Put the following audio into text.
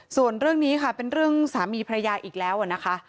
ส่วนเรื่องนี้ค่ะเป็นเรื่องสามีพระยาอีกแล้วนะคะ